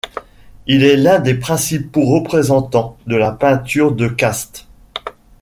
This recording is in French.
Il est l'un des principaux représentants de la peinture de castes.